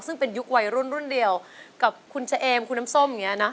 ซึ่งเป็นยุควัยรุ่นรุ่นเดียวกับคุณเฉเอมคุณน้ำส้มอย่างนี้นะ